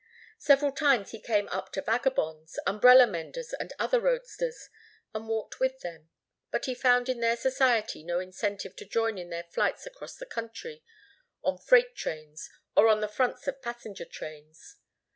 Several times he came up to vagabonds, umbrella menders and other roadsters, and walked with them, but he found in their society no incentive to join in their flights across country on freight trains or on the fronts of passenger trains.